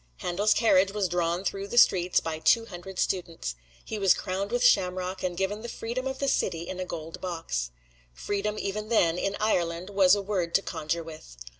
Handel's carriage was drawn through the streets by two hundred students. He was crowned with shamrock, and given the freedom of the city in a gold box. Freedom even then, in Ireland, was a word to conjure with.